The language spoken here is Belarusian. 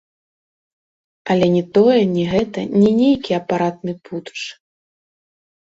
Але не тое, не гэта, не нейкі апаратны путч.